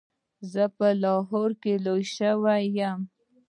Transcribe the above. زه په لاهور کې لویه شوې یم.